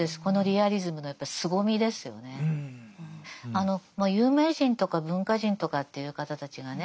あの有名人とか文化人とかっていう方たちがね